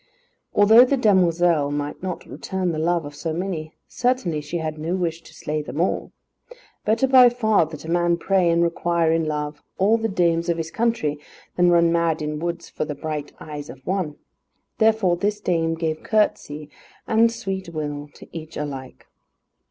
Although the demoiselle might not return the love of so many, certainly she had no wish to slay them all. Better by far that a man pray and require in love all the dames of his country, than run mad in woods for the bright eyes of one. Therefore this dame gave courtesy and good will to each alike.